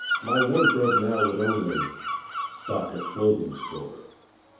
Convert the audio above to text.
my wardrobe now would only stock a clothing store.